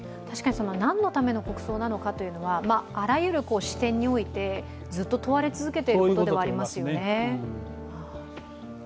何のための国葬なのかというのは、あらゆる視点において、ずっと問われ続けていることでもありますよね。